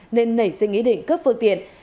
nên nảy sinh ý định cấp phương tiện